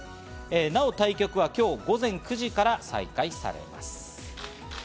なお、対局は今日午前９時から再開されます。